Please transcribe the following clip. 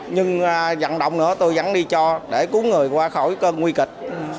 nhưng dặn động nữa tôi vẫn đi cho để cứu người qua khỏi cơn nguy kịch